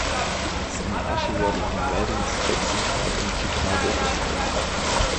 Seine Asche wurde in den Wäldern des Jackson Park in Chicago verstreut.